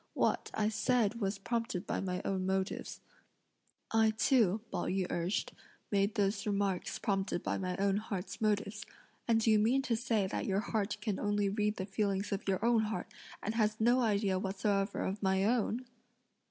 What (I said) was prompted by my own motives." "I too," Pao yü urged, "made those remarks prompted by my own heart's motives, and do you mean to say that your heart can only read the feelings of your own heart, and has no idea whatsoever of my own?"